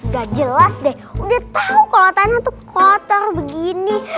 gak jelas deh udah tahu kalau tanah tuh kotor begini